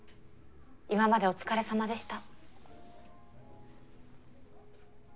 今までお疲れさまでした。